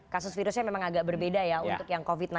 kasus virusnya memang agak berbeda ya untuk yang covid sembilan belas